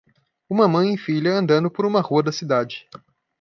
Uma mãe e filha andando por uma rua da cidade.